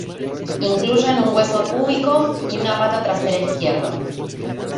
Incluyen un hueso púbico y una pata trasera izquierda.